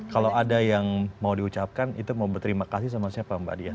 kalau ada yang mau diucapkan itu mau berterima kasih sama siapa mbak dian